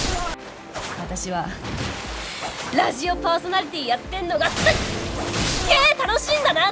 私はラジオパーソナリティーやってんのがすっげえ楽しいんだなって！